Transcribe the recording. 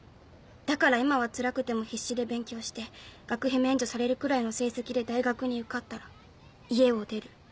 だから今はつらくても必死で勉強して学費免除されるくらいの成績で大学に受かったら家を出る。